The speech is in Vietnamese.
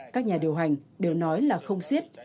các nhà điều hành đều nói là không xiết